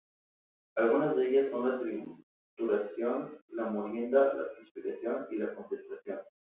Algunas de ellas son la trituración, la molienda, la clasificación y la concentración.